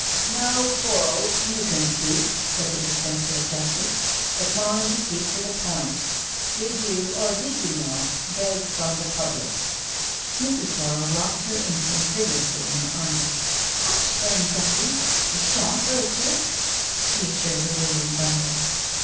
" Now, Borrow, you can speak," said the Dispenser of Justice, " but mind you keep to the point. Did you, or did you not, beg from the public?" Mrs. Borrow rocked her infant vigorously in her arms. " 'Ush, then, ducky — 'e shawn't 'urt cher," she assured the wailing Bundle.